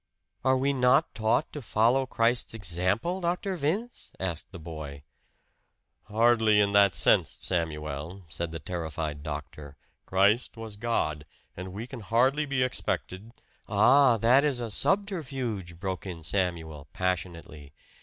"Are we not taught to follow Christ's example, Dr. Vince?" asked the boy. "Hardly in that sense, Samuel," said the terrified doctor. "Christ was God. And we can hardly be expected " "Ah, that is a subterfuge!" broke in Samuel, passionately.